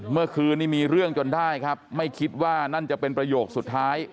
เมื่อคืนนี้มีเรื่องจนได้ครับไม่คิดว่านั่นจะเป็นประโยคสุดท้าย